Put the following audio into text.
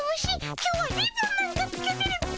今日はリボンなんかつけてるっピ。